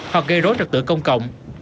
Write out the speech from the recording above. hoặc gây rối trật tự công cộng